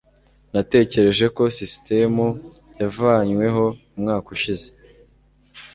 Natekereje ko sisitemu yavanyweho umwaka ushize